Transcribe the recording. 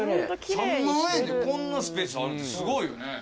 ３万円でこんなスペースあるってすごいよね。